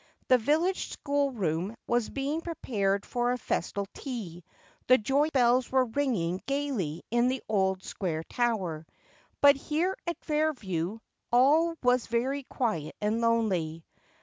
The village schoolroom was being prepared for a festal tea ; the joy bells were ringing gaily in the old Square Tower. But here at Fairview all was very quiet and lonely.